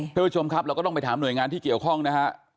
ท่านผู้ชมครับเราก็ต้องไปถามหน่วยงานที่เกี่ยวข้องนะฮะ